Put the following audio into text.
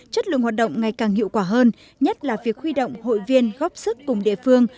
chất lượng hoạt động ngày càng hiệu quả hơn nhất là việc huy động hội viên góp sức cùng địa phương